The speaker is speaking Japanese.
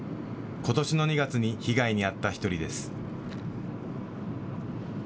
ことしの２月に被害に遭った１人です。